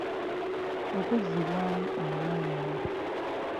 Okuzzibwamu amaanyi.